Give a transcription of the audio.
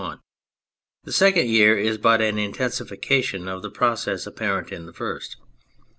The second year is but an intensification of the process apparent in the first.